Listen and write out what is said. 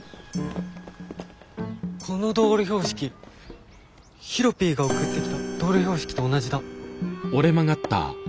この道路標識ヒロピーが送ってきた道路標識と同じだ。